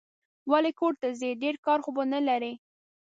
ولي کورته ځې ؟ ډېر کار خو به نه لرې